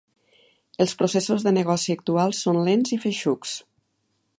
Els processos de negoci actuals són lents i feixucs.